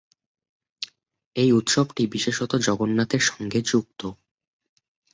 এই উৎসবটি বিশেষত জগন্নাথের সঙ্গে যুক্ত।